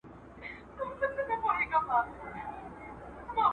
په يو آن کې يې خندا تر ما را رسي